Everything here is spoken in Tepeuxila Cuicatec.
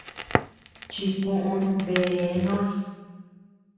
Chikuún bee noy.